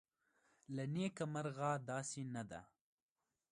له نیکه مرغه داسې نه ده